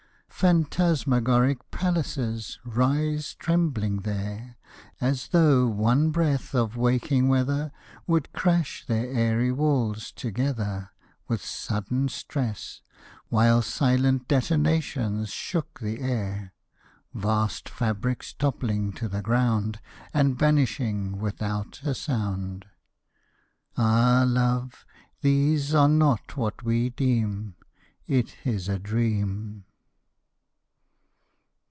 Phantasmagoric palaces Rise trembling there, As though one breath of waking weather Would crash their airy walls together With sudden stress, While silent detonations shook the air Vast fabrics toppling to the ground And vanishing without a sound. Ah, love, these are not what we deem; It is a dream.